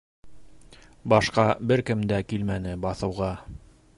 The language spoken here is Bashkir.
Башҡа бер кем дә килмәне баҫыуға.